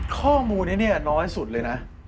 ข้อมูลนี้เนี่ยน้อยสุดเลยนะ